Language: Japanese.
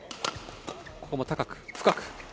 ここも高く、深く。